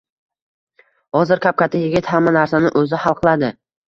Hozir – kap-katta yigit, hamma narsani oʻzi hal qiladi.